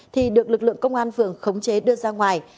thì được lực lượng công an phường khống chế đưa ra ngoài